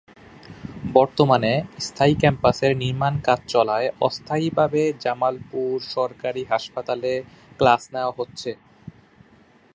বর্তমানে স্থায়ী ক্যাম্পাসের নির্মাণ কাজ চলায় অস্থায়ী ভাবে জামালপুর সরকারী হাসপাতালে ক্লাস নেয়া হচ্ছে।